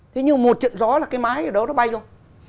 thế nhưng một trận gió là cái máy ở đó nó bay luôn